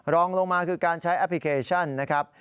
รองลงมาคือการใช้แอปพลิเคชันนะครับ